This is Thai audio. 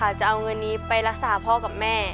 จะเอาเงินนี้ไปรักษาพ่อกับแม่